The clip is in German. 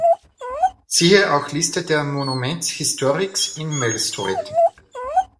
Siehe auch: Liste der Monuments historiques in Malestroit